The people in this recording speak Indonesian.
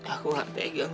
aku gak pegang